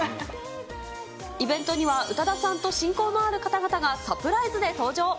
イベントには、宇多田さんと親交のある方々がサプライズで登場。